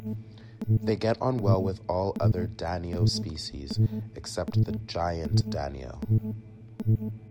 They get on well with all other "Danio" species except the giant danio.